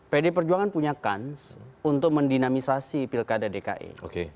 pdi perjuangan punya kans untuk mendinamisasi pilkada dki